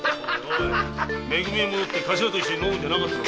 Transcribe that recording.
「め組」へ戻ってカシラと飲むんじゃなかったのか？